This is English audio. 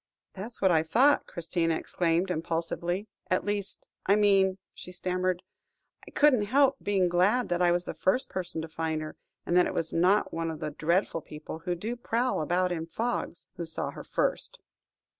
"That was what I thought," Christina exclaimed impulsively; "at least I mean," she stammered, "I couldn't help being glad that I was the first person to find her, and that it was not one of the dreadful people who do prowl about in fogs, who saw her first."